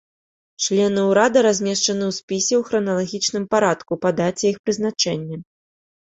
Члены ўрада размешчаны ў спісе ў храналагічным парадку па даце іх прызначэння.